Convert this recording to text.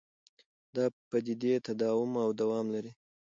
دا پدیدې تداوم او دوام لري.